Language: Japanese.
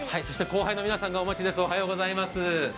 後輩の皆さんがお待ちです。